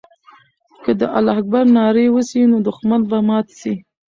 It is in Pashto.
که د الله اکبر ناره وسي، نو دښمن به مات سي.